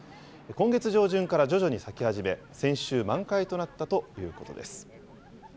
今月上旬から徐々に咲き始め、先週、満開となったということです。